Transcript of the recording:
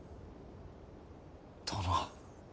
殿。